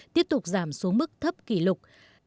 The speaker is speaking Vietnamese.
tiếp tục giảm xuống mức thấp kỷ lục